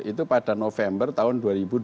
itu pada november tahun dua ribu dua puluh